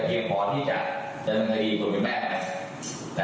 เพียงพอที่จะจะได้ยืนกว่าแม่ค่ะ